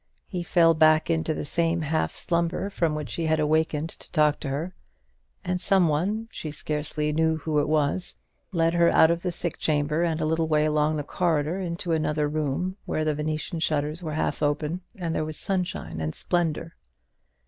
He fell back into the same half slumber from which he had awakened to talk to her; and some one she scarcely knew who it was led her out of the sick chamber, and a little way along the corridor into another room, where the Venetian shutters were half open, and there was sunshine and splendour.